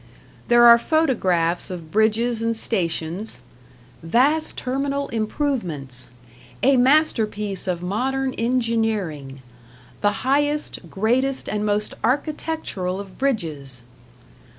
There are photographs of bridges and stations "vast terminal improvements", "a masterpiece of modern engineering", "the highest, greatest and most architectural of bridges".